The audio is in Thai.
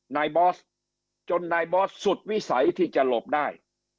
บอสจนนายบอสสุดวิสัยที่จะหลบได้